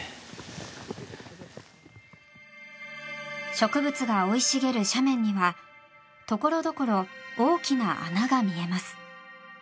植物が生い茂る斜面にはところどころ大きな穴が見えます。